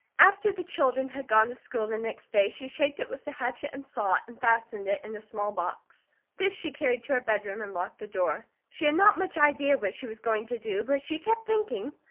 After the children had gone to school the next day she shaped it with the hatchet and saw, and fastened it in a small box. This she carried to her bedroom and locked the door. She had not much idea what she was going to do, but she kept thinking.